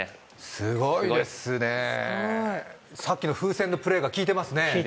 すごいさっきの風船のプレーが効いてますね